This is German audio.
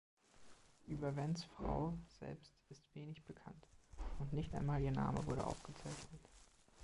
Über Wens Frau selbst ist wenig bekannt und nicht einmal ihr Name wurde aufgezeichnet.